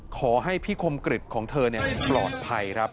ขอให้พิคมกฤตของเธอเนี่ยปลอดภัยรับ